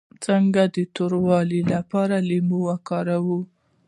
د څنګلو د توروالي لپاره لیمو وکاروئ